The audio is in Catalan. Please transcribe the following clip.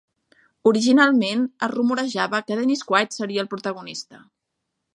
Originalment es rumorejava que Dennis Quaid seria el protagonista.